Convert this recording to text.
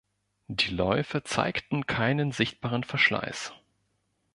Die Läufe zeigten keinen sichtbaren Verschleiß.